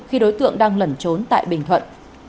khi đối tượng đang lẩn trốn tại bình thuận